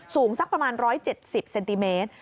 สูงสักประมาณ๑๗๐เซนติเมตร